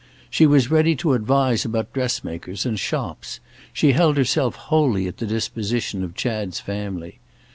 She was ready to advise about dressmakers and shops; she held herself wholly at the disposition of Chad's family.